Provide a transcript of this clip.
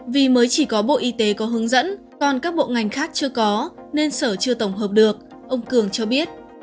vì mới chỉ có bộ y tế có hướng dẫn còn các bộ ngành khác chưa có nên sở chưa tổng hợp được ông cường cho biết